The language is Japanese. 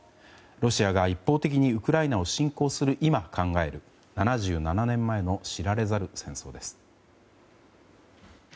ロシアが一方的にウクライナを侵攻する今考える７７年前の知られざる戦争です。